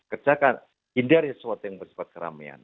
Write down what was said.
kerjakan hindari sesuatu yang bersifat keramaian